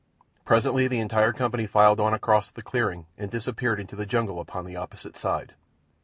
Presently the entire company filed on across the clearing and disappeared in the jungle upon the opposite side.